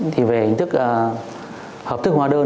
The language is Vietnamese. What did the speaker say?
thì về hình thức hợp thức hóa đơn